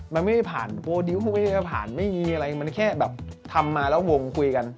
มันไม่ได้ผ่านโปรดิวท์มันไม่ได้ผ่านอะไรมันแค่ทำมาแล้ววงคุยกัน